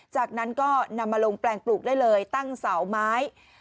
จากนั้นก็นำมาลงแปลงปลูกได้เลยตั้งเสาไม้